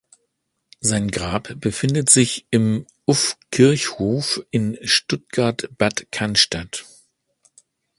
Sein Grab befindet sich im Uff-Kirchhof in Stuttgart-Bad Cannstatt.